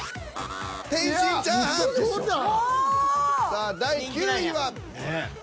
さあ第９位は？ねえ。